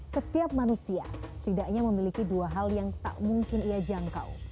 setiap manusia setidaknya memiliki dua hal yang tak mungkin ia jangkau